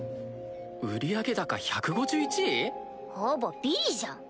売上高１５１位⁉ほぼビリじゃん。